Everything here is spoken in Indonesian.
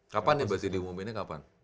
kapan nih berarti diumuminnya kapan